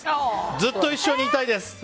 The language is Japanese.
ずっと一緒にいたいです！